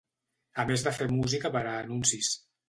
A més de fer música per a anuncis.